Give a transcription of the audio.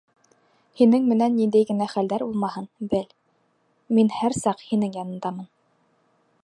Һинең менән ниндәй генә хәлдәр булмаһын, бел: мин һәр саҡ һинең яныңдамын.